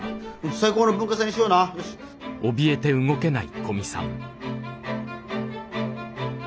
最高の文化祭にしようなよし。